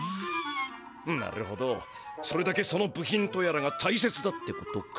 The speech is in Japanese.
なるほどそれだけその部品とやらが大切だってことか。